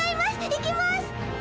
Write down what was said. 行きます。